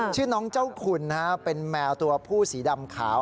ชื่อน้องเจ้าคุณเป็นแมวตัวผู้สีดำขาว